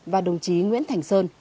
và đồng chí nguyễn thành sơn